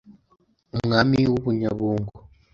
umwami w’u bunyabungo